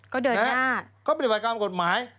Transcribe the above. ก็เดินหน้าเขาปฏิบัติตามกฎหมาย